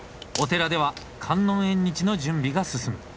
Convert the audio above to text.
お寺では観音縁日の準備が進む。